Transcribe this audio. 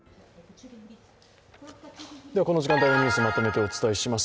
この時間帯のニュースまとめてお伝えします。